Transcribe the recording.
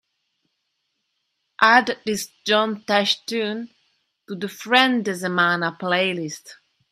Add this John Tesh tune to the friendesemana playlist